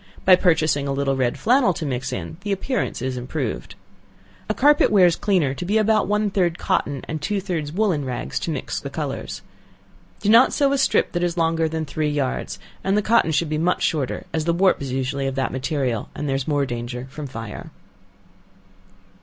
By purchasing a little red flannel to mix in, the appearance is improved. A carpet wears cleaner to be about one third cotton, and two thirds woollen rags to mix the colors. Do not sew a strip that is longer than three yards, and the cotton should be much shorter, as the warp is usually of that material, there is more danger from fire.